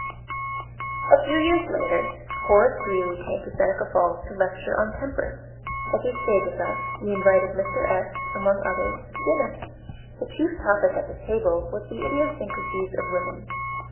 A few years later, Horace Greeley came to Seneca Falls to lecture on temperance. As he stayed with us, we invited Mr. S., among others, to dinner. The chief topic at the table was the idiosyncrasies of women.